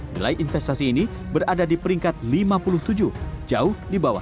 nilai investasi ini berada di peringkat lima puluh tujuh jauh di bawah